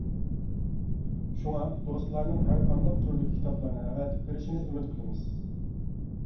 شۇڭا، دوستلارنىڭ ھەرقانداق تۈردىكى كىتابلارنى ئەۋەتىپ بېرىشىنى ئۈمىد قىلىمىز.